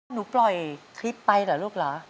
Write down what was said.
หนูปล่อยคลิปไปเหรอลูกเหรอ